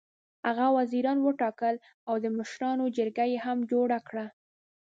هغه وزیران وټاکل او د مشرانو جرګه یې هم جوړه کړه.